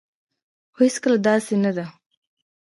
خو هيڅکله داسي نه ده